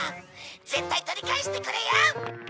「絶対取り返してくれよ！」